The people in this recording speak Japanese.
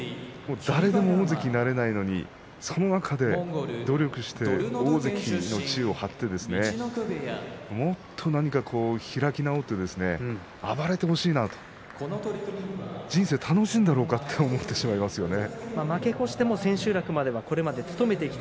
誰でも大関になれないのにその中で努力して大関の地位を張ってもっと開き直って暴れてほしいなと人生楽しんでいるんだろうか？と思いますよね。